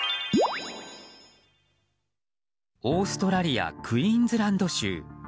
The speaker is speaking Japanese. オーストラリアクイーンズランド州。